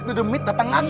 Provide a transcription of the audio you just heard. the meet dateng lagi tuh